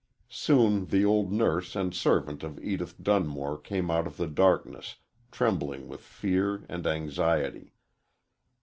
Soon the old nurse and servant of Edith Dun more came out of the darkness trembling with fear and anxiety.